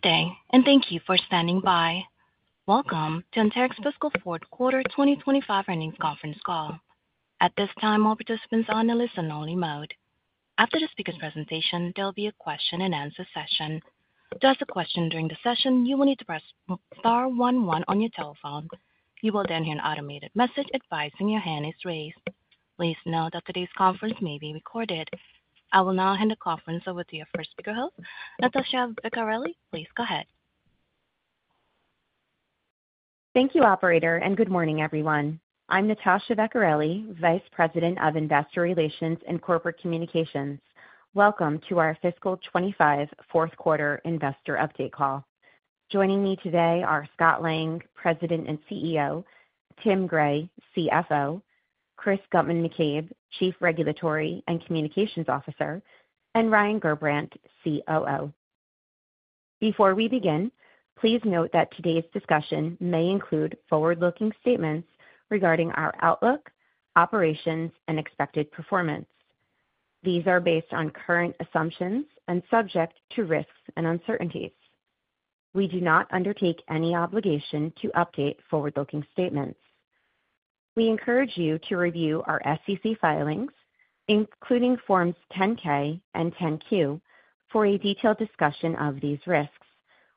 Good day, and thank you for standing by. Welcome to Anterix fiscal fourth quarter 2025 earnings conference call. At this time, all participants are on a listen-only mode. After the speaker's presentation, there will be a question-and-answer session. To ask a question during the session, you will need to press star one one on your telephone. You will then hear an automated message advising your hand is raised. Please note that today's conference may be recorded. I will now hand the conference over to your first speaker host, Natasha Vecchiarelli. Please go ahead. Thank you, Operator, and good morning, everyone. I'm Natasha Vecchiarelli, Vice President of Investor Relations and Corporate Communications. Welcome to our fiscal 2025 fourth quarter investor update call. Joining me today are Scott Lang, President and CEO; Tim Gray, CFO; Chris Guttman-McCabe, Chief Regulatory and Communications Officer; and Ryan Gerbrandt, COO. Before we begin, please note that today's discussion may include forward-looking statements regarding our outlook, operations, and expected performance. These are based on current assumptions and subject to risks and uncertainties. We do not undertake any obligation to update forward-looking statements. We encourage you to review our SEC filings, including Forms 10-K and 10-Q, for a detailed discussion of these risks,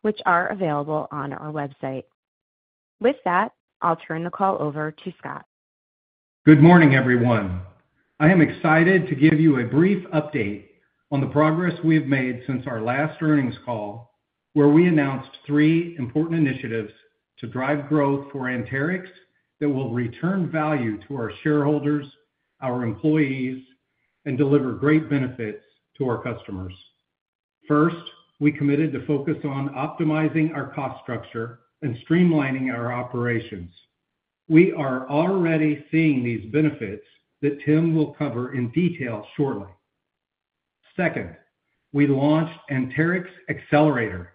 which are available on our website. With that, I'll turn the call over to Scott. Good morning, everyone. I am excited to give you a brief update on the progress we have made since our last earnings call, where we announced three important initiatives to drive growth for Anterix that will return value to our shareholders, our employees, and deliver great benefits to our customers. First, we committed to focus on optimizing our cost structure and streamlining our operations. We are already seeing these benefits that Tim will cover in detail shortly. Second, we launched AnterixAccelerator,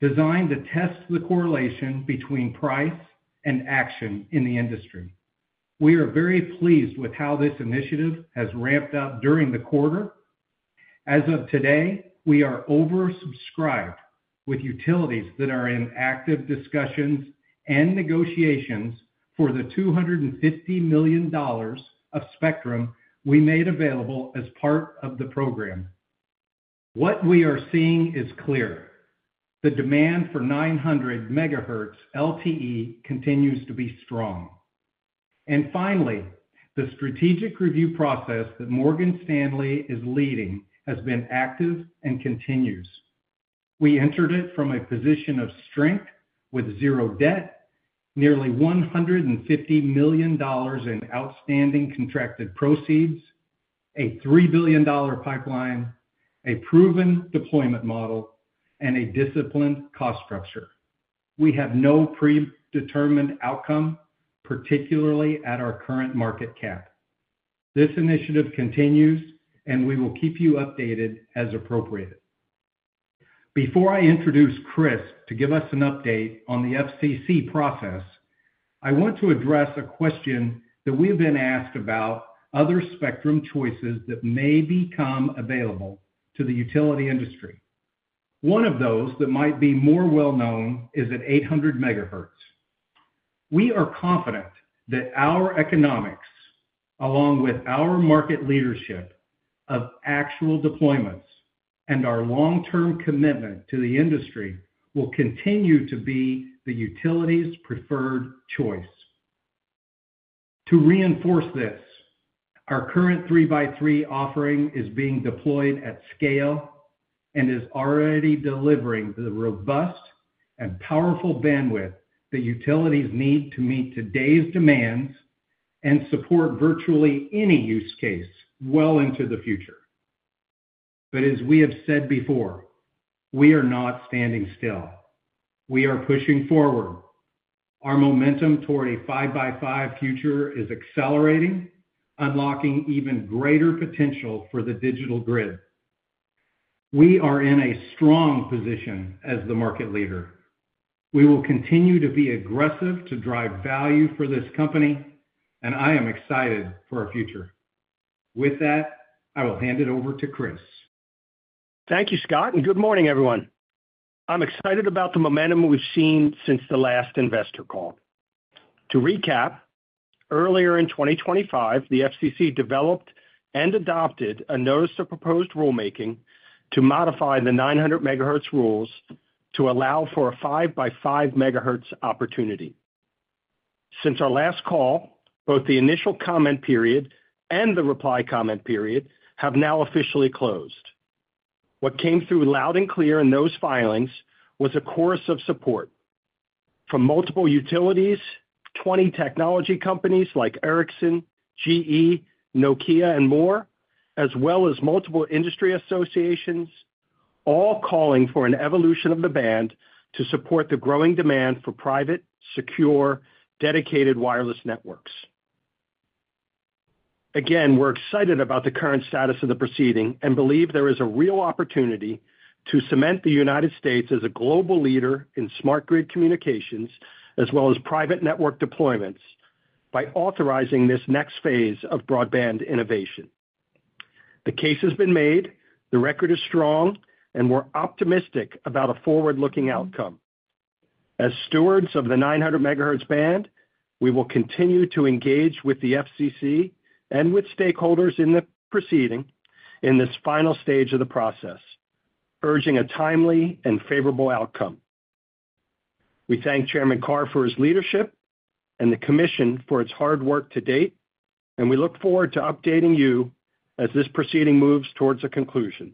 designed to test the correlation between price and action in the industry. We are very pleased with how this initiative has ramped up during the quarter. As of today, we are oversubscribed with utilities that are in active discussions and negotiations for the $250 million of spectrum we made available as part of the program. What we are seeing is clear. The demand for 900 MHz LTE continues to be strong. Finally, the strategic review process that Morgan Stanley is leading has been active and continues. We entered it from a position of strength with zero debt, nearly $150 million in outstanding contracted proceeds, a $3 billion pipeline, a proven deployment model, and a disciplined cost structure. We have no predetermined outcome, particularly at our current market cap. This initiative continues, and we will keep you updated as appropriate. Before I introduce Chris to give us an update on the FCC process, I want to address a question that we have been asked about other spectrum choices that may become available to the utility industry. One of those that might be more well-known is at 800 MHz. We are confident that our economics, along with our market leadership of actual deployments and our long-term commitment to the industry, will continue to be the utility's preferred choice. To reinforce this, our current 3x3 offering is being deployed at scale and is already delivering the robust and powerful bandwidth that utilities need to meet today's demands and support virtually any use case well into the future. As we have said before, we are not standing still. We are pushing forward. Our momentum toward a 5x5 future is accelerating, unlocking even greater potential for the digital grid. We are in a strong position as the market leader. We will continue to be aggressive to drive value for this company, and I am excited for our future. With that, I will hand it over to Chris. Thank you, Scott, and good morning, everyone. I'm excited about the momentum we've seen since the last investor call. To recap, earlier in 2025, the FCC developed and adopted a Notice of Proposed Rulemaking to modify the 900 MHz rules to allow for a 5x5 MHz opportunity. Since our last call, both the initial comment period and the reply comment period have now officially closed. What came through loud and clear in those filings was a chorus of support from multiple utilities, 20 technology companies like Ericsson, GE, Nokia, and more, as well as multiple industry associations, all calling for an evolution of the band to support the growing demand for private, secure, dedicated wireless networks. Again, we're excited about the current status of the proceeding and believe there is a real opportunity to cement the United States as a global leader in smart grid communications as well as private network deployments by authorizing this next phase of broadband innovation. The case has been made, the record is strong, and we're optimistic about a forward-looking outcome. As stewards of the 900 MHz band, we will continue to engage with the FCC and with stakeholders in the proceeding in this final stage of the process, urging a timely and favorable outcome. We thank Chairman Carr for his leadership and the Commission for its hard work to date, and we look forward to updating you as this proceeding moves towards a conclusion.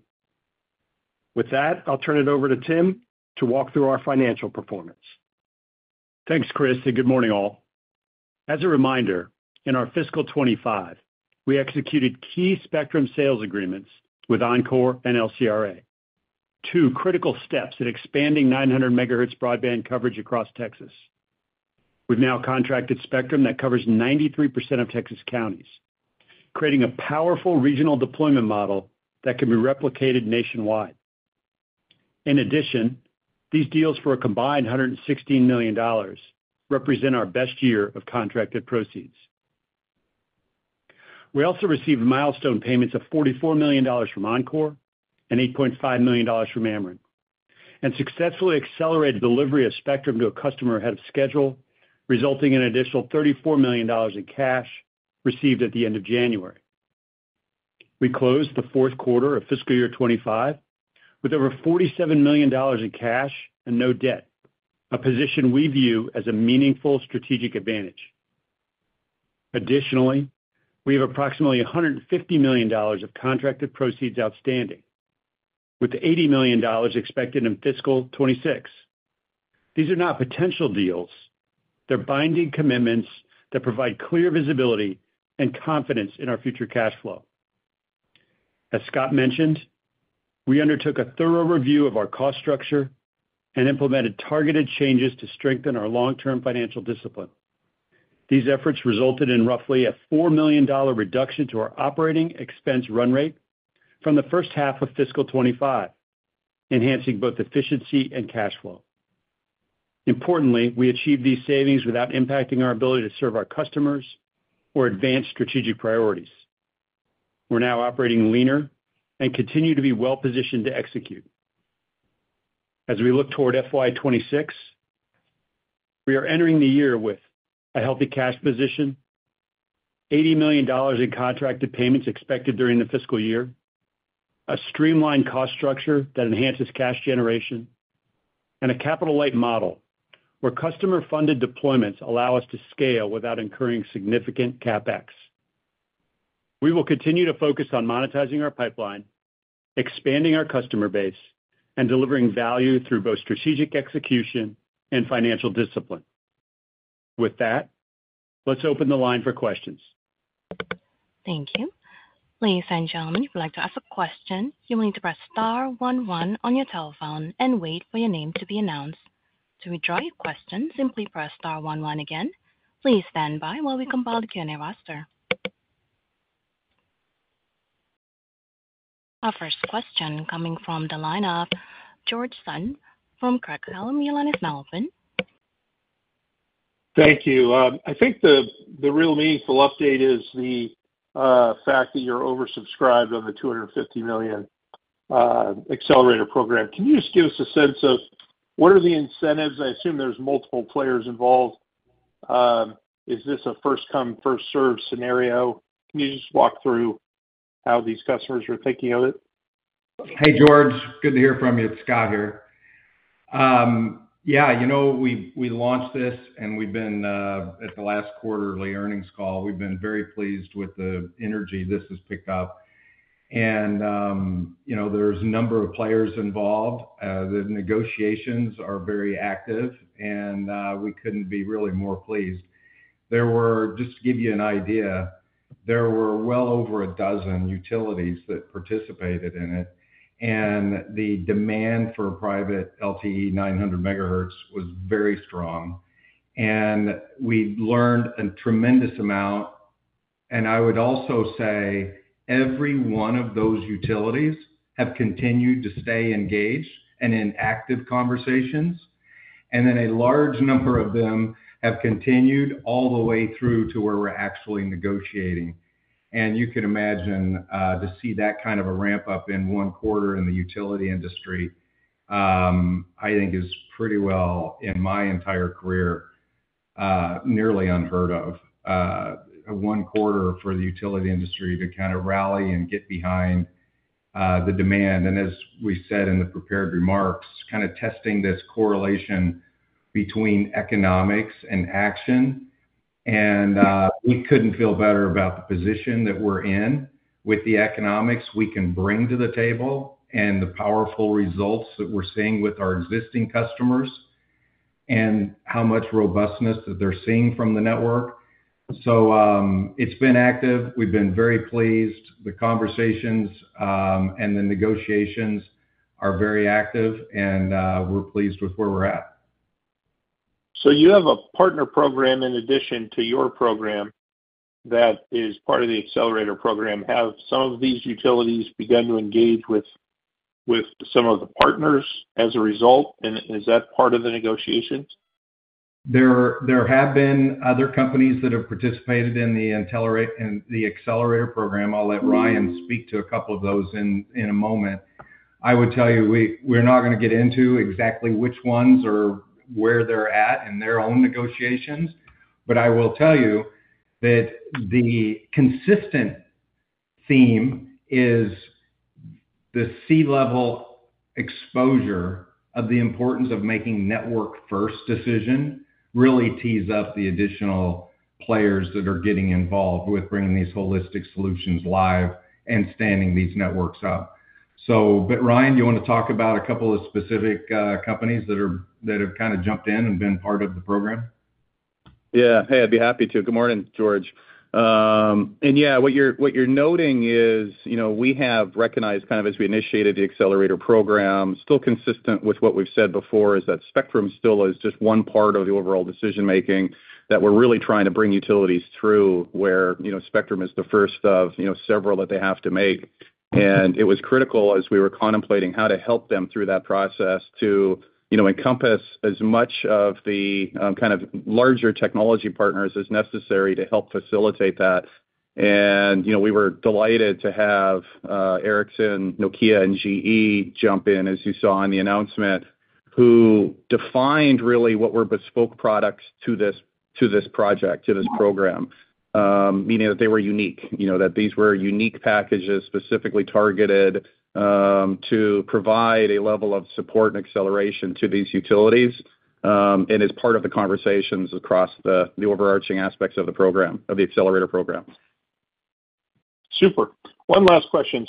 With that, I'll turn it over to Tim to walk through our financial performance. Thanks, Chris, and good morning, all. As a reminder, in our fiscal 2025, we executed key spectrum sales agreements with Encore and LCRA, two critical steps in expanding 900 MHz broadband coverage across Texas. We've now contracted spectrum that covers 93% of Texas counties, creating a powerful regional deployment model that can be replicated nationwide. In addition, these deals for a combined $116 million represent our best year of contracted proceeds. We also received milestone payments of $44 million from Encore and $8.5 million from Ameren, and successfully accelerated delivery of spectrum to a customer ahead of schedule, resulting in an additional $34 million in cash received at the end of January. We closed the fourth quarter of fiscal year 2025 with over $47 million in cash and no debt, a position we view as a meaningful strategic advantage. Additionally, we have approximately $150 million of contracted proceeds outstanding, with $80 million expected in fiscal 2026. These are not potential deals. They're binding commitments that provide clear visibility and confidence in our future cash flow. As Scott mentioned, we undertook a thorough review of our cost structure and implemented targeted changes to strengthen our long-term financial discipline. These efforts resulted in roughly a $4 million reduction to our operating expense run rate from the first half of fiscal 2025, enhancing both efficiency and cash flow. Importantly, we achieved these savings without impacting our ability to serve our customers or advance strategic priorities. We're now operating leaner and continue to be well-positioned to execute. As we look toward FY26, we are entering the year with a healthy cash position, $80 million in contracted payments expected during the fiscal year, a streamlined cost structure that enhances cash generation, and a capital-light model where customer-funded deployments allow us to scale without incurring significant CapEx. We will continue to focus on monetizing our pipeline, expanding our customer base, and delivering value through both strategic execution and financial discipline. With that, let's open the line for questions. Thank you. Ladies and gentlemen, if you'd like to ask a question, you will need to press star one one on your telephone and wait for your name to be announced. To withdraw your question, simply press star one one again. Please stand by while we compile the Q&A roster. Our first question coming from the line of George Sutton from Craig-Hallum, U.S. Melbourne. Thank you. I think the real meaningful update is the fact that you're oversubscribed on the $250 million Accelerator program. Can you just give us a sense of what are the incentives? I assume there's multiple players involved. Is this a first-come, first-served scenario? Can you just walk through how these customers are thinking of it? Hey, George. Good to hear from you. It's Scott here. Yeah, you know we launched this, and we've been, at the last quarterly earnings call, we've been very pleased with the energy this has picked up. There's a number of players involved. The negotiations are very active, and we couldn't be really more pleased. There were, just to give you an idea, there were well over a dozen utilities that participated in it, and the demand for private LTE 900 MHz was very strong. We learned a tremendous amount. I would also say every one of those utilities have continued to stay engaged and in active conversations. A large number of them have continued all the way through to where we're actually negotiating. You can imagine to see that kind of a ramp-up in one quarter in the utility industry, I think, is pretty well, in my entire career, nearly unheard of. One quarter for the utility industry to kind of rally and get behind the demand. As we said in the prepared remarks, kind of testing this correlation between economics and action. We could not feel better about the position that we are in with the economics we can bring to the table and the powerful results that we are seeing with our existing customers and how much robustness that they are seeing from the network. It has been active. We have been very pleased. The conversations and the negotiations are very active, and we are pleased with where we are at. You have a partner program in addition to your program that is part of the Accelerator program. Have some of these utilities begun to engage with some of the partners as a result? Is that part of the negotiations? There have been other companies that have participated in the Accelerator program. I'll let Ryan speak to a couple of those in a moment. I would tell you we're not going to get into exactly which ones or where they're at in their own negotiations, but I will tell you that the consistent theme is the C-level exposure of the importance of making network-first decision really tees up the additional players that are getting involved with bringing these holistic solutions live and standing these networks up. Ryan, do you want to talk about a couple of specific companies that have kind of jumped in and been part of the program? Yeah. Hey, I'd be happy to. Good morning, George. Yeah, what you're noting is we have recognized kind of as we initiated the Accelerator program, still consistent with what we've said before, is that spectrum still is just one part of the overall decision-making that we're really trying to bring utilities through where spectrum is the first of several that they have to make. It was critical as we were contemplating how to help them through that process to encompass as much of the kind of larger technology partners as necessary to help facilitate that. We were delighted to have Ericsson, Nokia, and GE jump in, as you saw in the announcement, who defined really what were bespoke products to this project, to this program, meaning that they were unique, that these were unique packages specifically targeted to provide a level of support and acceleration to these utilities and as part of the conversations across the overarching aspects of the program, of the accelerator program. Super. One last question.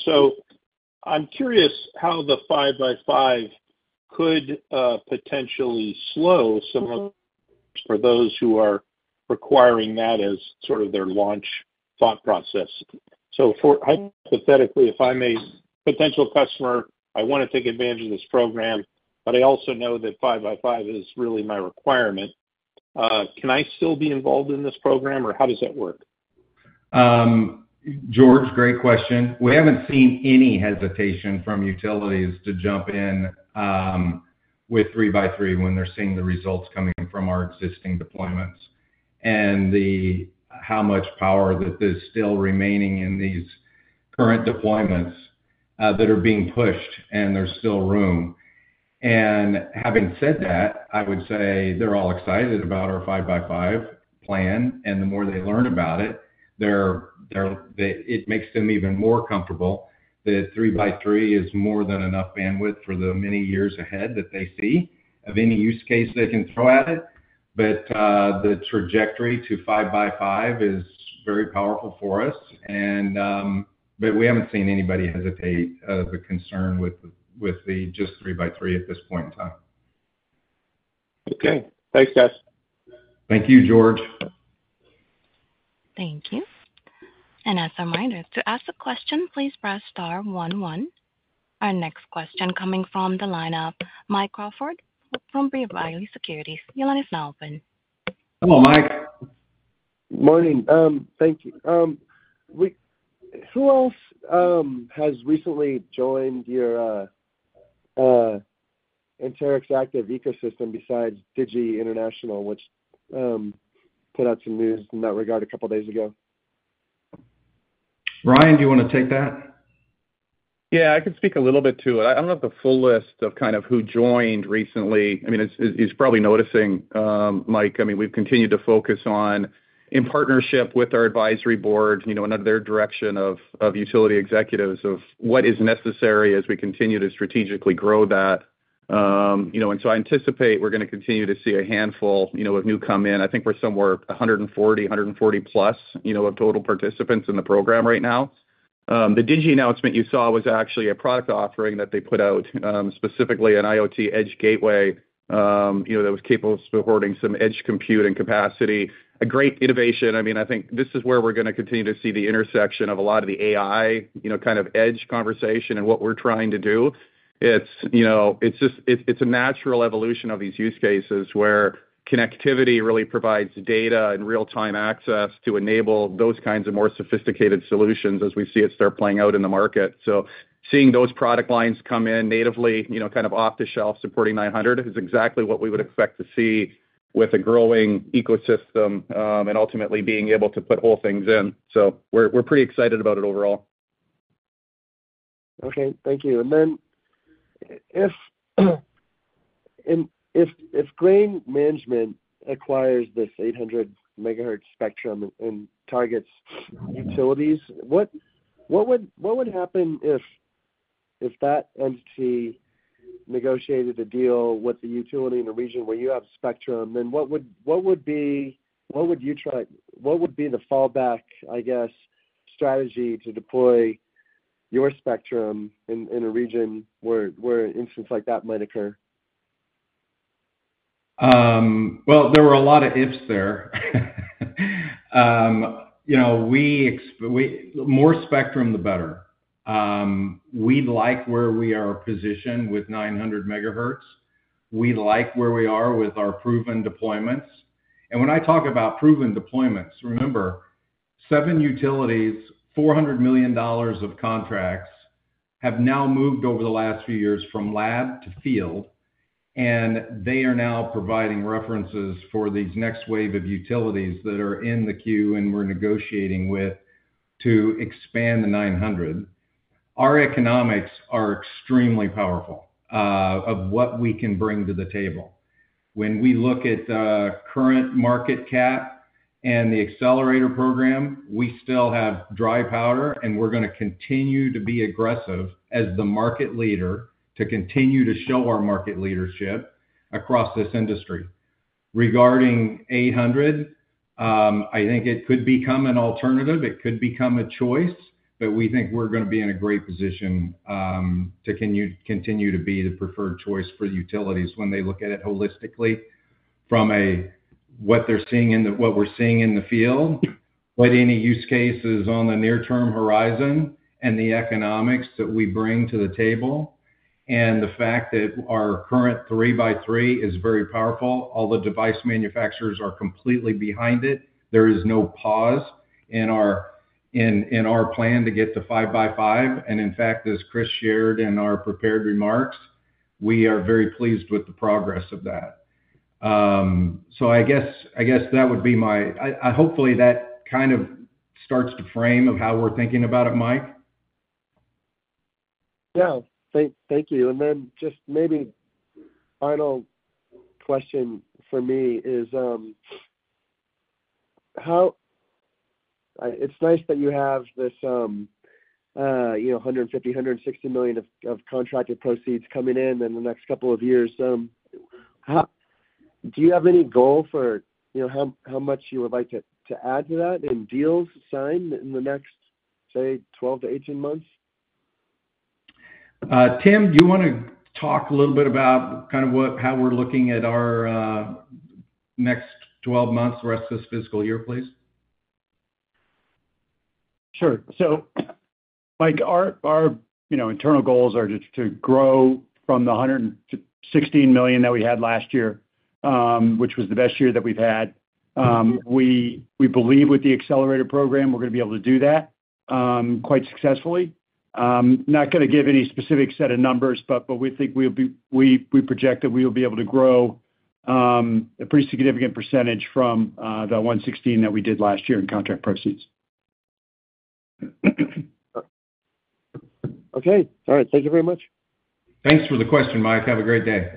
I am curious how the 5x5 could potentially slow some of the costs for those who are requiring that as sort of their launch thought process. Hypothetically, if I am a potential customer, I want to take advantage of this program, but I also know that 5x5 is really my requirement. Can I still be involved in this program, or how does that work? George, great question. We haven't seen any hesitation from utilities to jump in with 3x3 when they're seeing the results coming from our existing deployments and how much power that is still remaining in these current deployments that are being pushed and there's still room. Having said that, I would say they're all excited about our 5x5 plan. The more they learn about it, it makes them even more comfortable that 3x3 is more than enough bandwidth for the many years ahead that they see of any use case they can throw at it. The trajectory to 5x5 is very powerful for us. We haven't seen anybody hesitate of a concern with just 3x3 at this point in time. Okay. Thanks, guys. Thank you, George. Thank you. As a reminder, to ask a question, please press star one one. Our next question coming from the line of Mike Crawford from B. Riley Securities. Hello, Mike. Morning. Thank you. Who else has recently joined your Anterix Active Ecosystem besides Digi International, which put out some news in that regard a couple of days ago? Ryan, do you want to take that? Yeah, I can speak a little bit to it. I don't have the full list of kind of who joined recently. I mean, as you're probably noticing, Mike, I mean, we've continued to focus on, in partnership with our advisory board and under their direction of utility executives, of what is necessary as we continue to strategically grow that. I anticipate we're going to continue to see a handful of new come in. I think we're somewhere 140, 140+ of total participants in the program right now. The Digi announcement you saw was actually a product offering that they put out, specifically an IoT edge gateway that was capable of supporting some edge computing capacity. A great innovation. I mean, I think this is where we're going to continue to see the intersection of a lot of the AI kind of edge conversation and what we're trying to do. It's a natural evolution of these use cases where connectivity really provides data and real-time access to enable those kinds of more sophisticated solutions as we see it start playing out in the market. Seeing those product lines come in natively, kind of off-the-shelf supporting 900 is exactly what we would expect to see with a growing ecosystem and ultimately being able to put whole things in. We're pretty excited about it overall. Okay. Thank you. If Grain Management acquires this 800 MHz spectrum and targets utilities, what would happen if that entity negotiated a deal with a utility in a region where you have spectrum? What would be the fallback, I guess, strategy to deploy your spectrum in a region where an instance like that might occur? There were a lot of ifs there. More spectrum, the better. We like where we are positioned with 900 MHz. We like where we are with our proven deployments. And when I talk about proven deployments, remember, seven utilities, $400 million of contracts have now moved over the last few years from lab to field. They are now providing references for these next wave of utilities that are in the queue and we're negotiating with to expand the 900 MHz. Our economics are extremely powerful of what we can bring to the table. When we look at current market cap and the accelerator program, we still have dry powder, and we're going to continue to be aggressive as the market leader to continue to show our market leadership across this industry. Regarding 800 MHz, I think it could become an alternative. It could become a choice, but we think we're going to be in a great position to continue to be the preferred choice for utilities when they look at it holistically from what they're seeing in the field, what any use case is on the near-term horizon, and the economics that we bring to the table, and the fact that our current 3x3 is very powerful. All the device manufacturers are completely behind it. There is no pause in our plan to get to 5x5. In fact, as Chris shared in our prepared remarks, we are very pleased with the progress of that. I guess that would be my, hopefully that kind of starts to frame how we're thinking about it, Mike. Yeah. Thank you. And then just maybe final question for me is how it's nice that you have this $150 million, $160 million of contracted proceeds coming in in the next couple of years. Do you have any goal for how much you would like to add to that in deals signed in the next, say, 12 to 18 months? Tim, do you want to talk a little bit about kind of how we're looking at our next 12 months, the rest of this fiscal year, please? Sure. Mike, our internal goals are to grow from the $116 million that we had last year, which was the best year that we've had. We believe with the Accelerator program, we're going to be able to do that quite successfully. Not going to give any specific set of numbers, but we think we project that we will be able to grow a pretty significant percentage from the $116 million that we did last year in contract proceeds. Okay. All right. Thank you very much. Thanks for the question, Mike. Have a great day.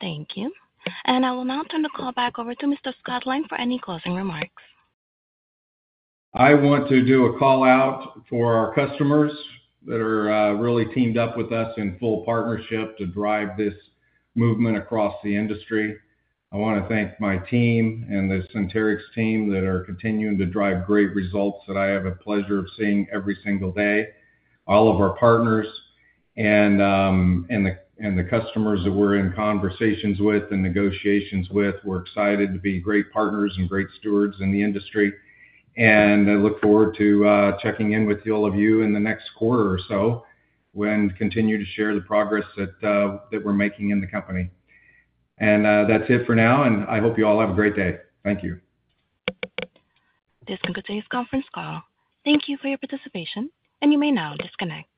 Thank you. I will now turn the call back over to Mr. Scott Lang for any closing remarks. I want to do a call out for our customers that are really teamed up with us in full partnership to drive this movement across the industry. I want to thank my team and the Anterix Team that are continuing to drive great results that I have a pleasure of seeing every single day. All of our partners and the customers that we're in conversations with and negotiations with, we're excited to be great partners and great stewards in the industry. I look forward to checking in with all of you in the next quarter or so and continue to share the progress that we're making in the company. That's it for now. I hope you all have a great day. Thank you. This concludes today's conference call. Thank you for your participation, and you may now disconnect.